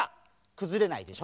くずれないでしょ？